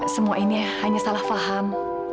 semua ini hanya salah paham